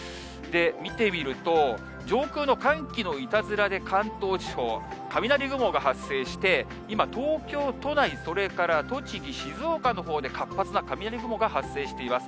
見てみると、上空の寒気のいたずらで関東地方、雷雲が発生して、今、東京都内、それから栃木、静岡のほうで活発な雷雲が発生しています。